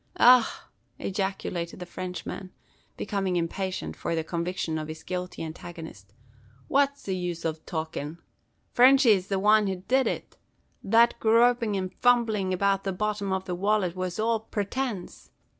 "Ach!" ejaculated the Irishman, becoming impatient for the conviction of his guilty antagonist; "phwat's the use ov talkin'. Frenchy's the wan that did it. That gropin' an fumblin' about the bottom of the wallet was all pretince.